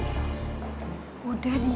kita baru udah jelasin